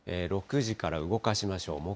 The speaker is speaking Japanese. ６時から動かしましょう。